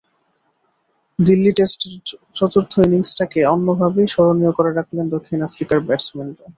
দিল্লি টেস্টের চতুর্থ ইনিংসটাকে অন্যভাবেই স্মরণীয় করে রাখলেন দক্ষিণ আফ্রিকার ব্যাটসম্যানরা।